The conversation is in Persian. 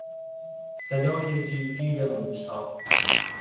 صدای جیر جیر موشها